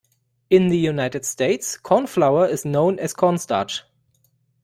In the United States, cornflour is known as cornstarch